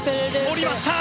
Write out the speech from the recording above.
下りました！